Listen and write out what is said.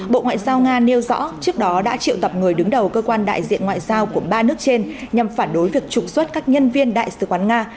bộ ngoại giao nga nêu rõ trước đó đã triệu tập người đứng đầu cơ quan đại diện ngoại giao của ba nước trên nhằm phản đối việc trục xuất các nhân viên đại sứ quán nga